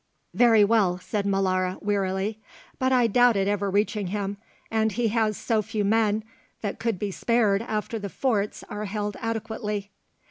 "Very well," said Molara wearily; "but I doubt it ever reaching him, and he has so few men that could be spared after the forts are held adequately."